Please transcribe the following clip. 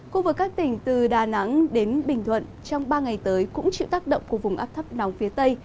khu vực các tỉnh từ đà nẵng đến bình thuận trong ba ngày tới cũng chịu tác động của vùng áp thấp nóng phía tây